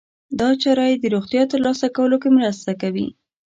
دا چاره يې د روغتیا ترلاسه کولو کې مرسته کوي.